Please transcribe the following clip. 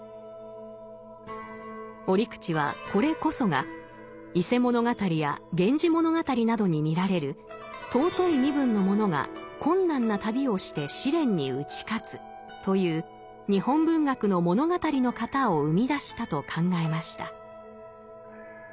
折口はこれこそが「伊勢物語」や「源氏物語」などに見られる「尊い身分の者が困難な旅をして試練に打ち勝つ」という日本文学の物語の型を生み出したと考えました。